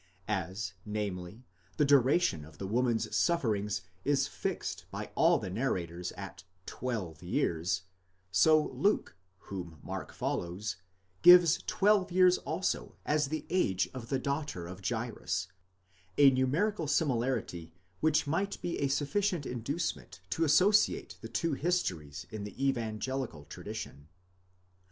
As, namely, the duration of the woman's sufferings is fixed by all the narrators at twelve years, so Luke, whom Mark follows, gives twelve years also as the age of the daughter of Jairus; a numerical similarity which might be a suffi cient inducement to associate the two histories in the evangelical tradition.